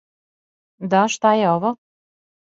Да, шта је ово?